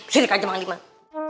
shh sini kak jemang limang